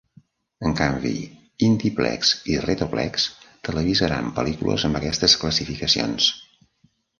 En canvi, IndiePlex i RetroPlex televisaran pel·lícules amb aquestes classificacions.